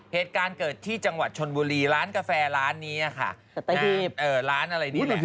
เหตุการณ์เกิดที่จังหวัดชนบุรีร้านกาแฟร้านนี้ค่ะที่ร้านอะไรนี่แหละ